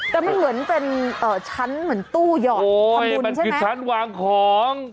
แต่มันเหมือนเป็นชั้นเหมือนตู้หยอดทำบุญใช่ไหมโอ้โฮมันคือชั้นวางของ